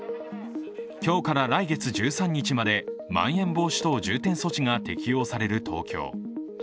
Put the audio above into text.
今日から来月１３日までまん延防止等重点措置が適用される東京。